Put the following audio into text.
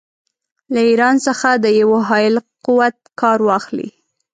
له ایران څخه د یوه حایل قوت کار واخلي.